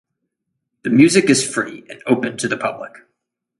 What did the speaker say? The music is free, and open to the public.